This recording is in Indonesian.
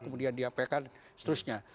kemudian dia pekan seterusnya